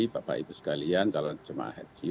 bapak ibu sekalian calon jemaah haji